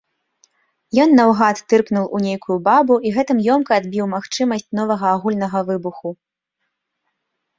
Ён наўгад тыркнуў у нейкую бабу і гэтым ёмка адбіў магчымасць новага агульнага выбуху.